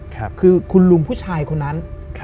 คือคุณลุงผู้ชายคนนั้น